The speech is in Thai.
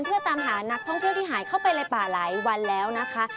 เพื่อตามหานักท่องเที่ยวที่หายเข้าไปในป่าหลายวันแล้วนะคะ